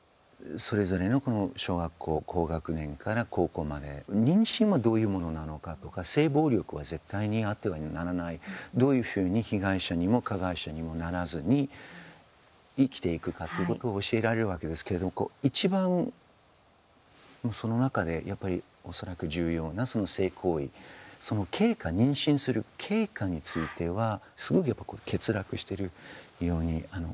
それぞれの小学校高学年から高校まで妊娠はどういうものなのかとか性暴力は絶対にあってはならないどういうふうに被害者にも加害者にもならずに生きていくかってことを教えられるわけですけどいちばん、その中でやっぱり恐らく重要な性行為その経過、妊娠する経過については、すごい欠落しているように思います。